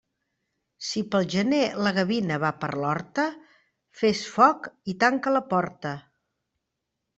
Si pel gener la gavina va per l'horta, fes foc i tanca la porta.